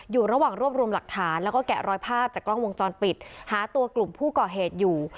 อยู่ระหว่างรวบรวมหลักฐานแล้วก็แกะรอยภาพจากกล้องวงจรปิดหาตัวกลุ่มผู้ก่อเหตุอยู่